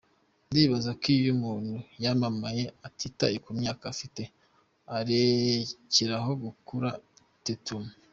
Ndibaza ko iyo umuntu yamamaye atitaye ku myaka afite arekeraho gukura” , Tatum.